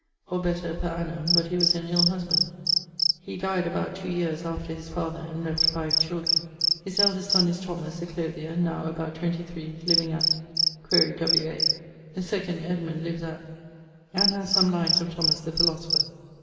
or better per annum, but he was an ill husband. He dyed about two yeares after his father, and left five children. His eldest son is Thomas, a clothier, now about 23, living at[XCV.] ... (quaere W. A.). The second, , lives at ...[XCVI.], and has some lines of Thomas the philosopher.